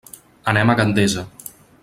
Anem a Gandesa.